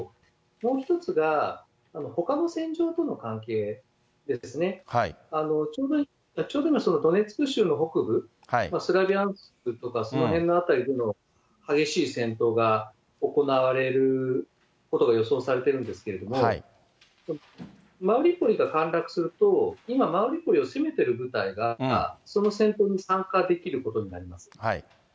もう一つが、ほかの戦場との関係でですね、ちょうど今ドネツク州の北部、スラビャンスクとか、そのへんの辺りでも激しい戦闘が行われることが予想されてるんですけど、マリウポリが陥落すると、今、マリウポリを攻めている部隊がその戦闘に参加できることになります。